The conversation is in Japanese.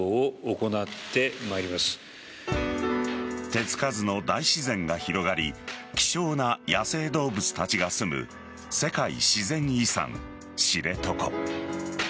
手付かずの大自然が広がり希少な野生動物たちが住む世界自然遺産・知床。